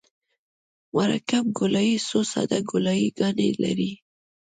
مرکب ګولایي څو ساده ګولایي ګانې لري